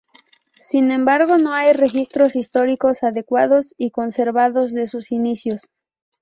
Sin embargo, no hay registros históricos adecuados y conservados de sus inicios.